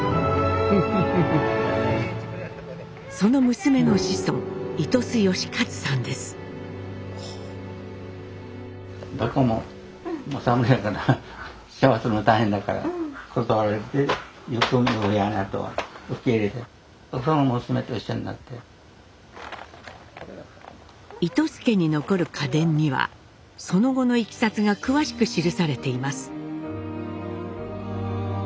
その娘の子孫糸洲家に残る家伝にはその後のいきさつが詳しく記されています。